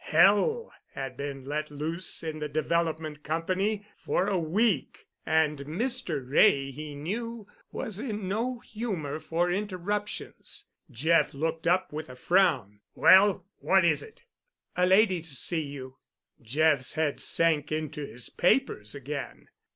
Hell had been let loose in the Development Company for a week, and Mr. Wray, he knew, was in no humor for interruptions. Jeff looked up with a frown. "Well—what is it?" "A lady—to see you." Jeff's head sank into his papers again.